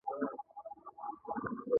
د فراه په خاک سفید کې د وسپنې نښې شته.